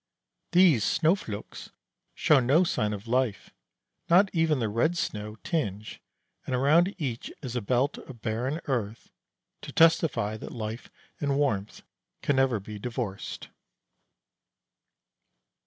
These snö flaks show no sign of life, not even the 'red snow' tinge, and around each is a belt of barren earth, to testify that life and warmth can never be divorced.